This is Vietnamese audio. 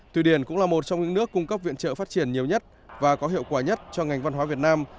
thụy điển cũng là một trong những nước cung cấp viện trợ phát triển nhiều nhất và có hiệu quả nhất cho ngành văn hóa việt nam